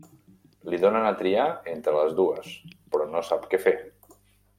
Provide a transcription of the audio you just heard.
Li donen a triar entre les dues, però no sap què fer.